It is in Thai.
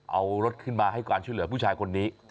เอารถขึ้นมาให้การช่วยเหลือผู้ชายคนนี้